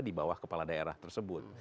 di bawah kepala daerah tersebut